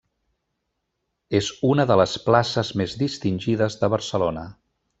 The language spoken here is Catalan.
És una de les places més distingides de Barcelona.